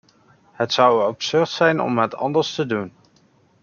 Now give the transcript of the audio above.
Het zou absurd zijn om het anders te doen.